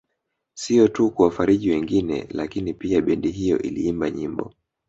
Sio tu kuwafariji wengine lakini pia bendi hiyo iliimba nyimbo